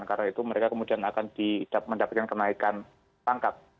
karena itu mereka kemudian akan mendapatkan kenaikan tangkap